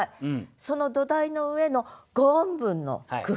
その土台の上の５音分の工夫と。